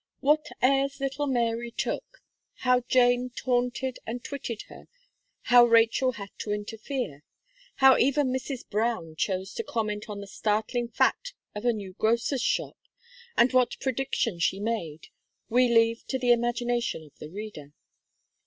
What airs little Mary took; how Jane taunted and twitted her, how Rachel had to interfere; how even Mrs. Brown chose to comment on the startling fact of a new grocer's shop, and what predictions she made, we leave to the imagination of the reader.